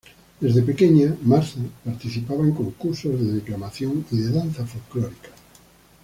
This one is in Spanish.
Desde pequeña, Martha participaba en concursos de declamación y de danza folclórica.